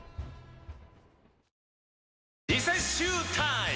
リセッシュータイム！